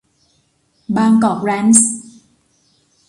บางกอกแร้นช์